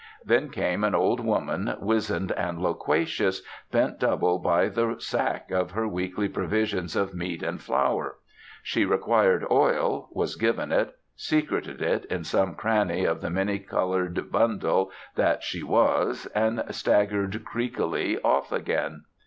Then came an old woman, wizened and loquacious, bent double by the sack of her weekly provision of meat and flour. She required oil, was given it, secreted it in some cranny of the many coloured bundle that she was, and staggered creakily off again.